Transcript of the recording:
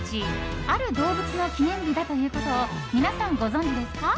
ある動物の記念日だということを皆さんご存じですか？